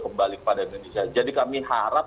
kembali kepada indonesia jadi kami harap